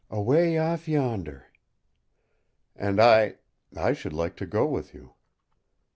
"Away off yonder!" "And I I should like to go with you."